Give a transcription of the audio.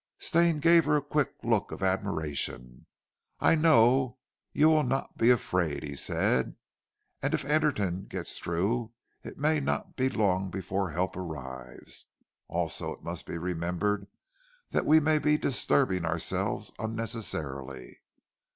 Stane gave her a quick look of admiration. "I know you will not be afraid," he said, "and if Anderton gets through it may not be long before help arrives. Also it must be remembered that we may be disturbing ourselves unnecessarily.